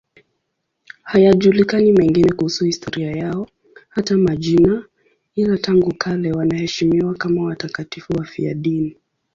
Hayajulikani mengine kuhusu historia yao, hata majina, ila tangu kale wanaheshimiwa kama watakatifu wafiadini.